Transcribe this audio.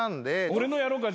俺のやろうか？